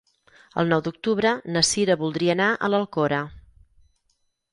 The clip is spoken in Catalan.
El nou d'octubre na Cira voldria anar a l'Alcora.